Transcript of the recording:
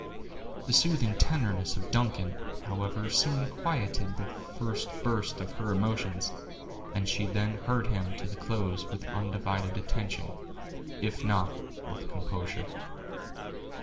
The soothing tenderness of Duncan, however, soon quieted the first burst of her emotions, and she then heard him to the close with undivided attention, if not with composure.